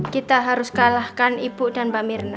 kita harus kalahkan ibu dan mbak mirna